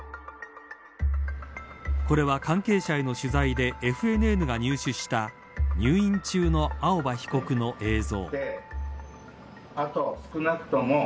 これは関係者への取材でＦＮＮが入手した入院中の青葉被告の映像。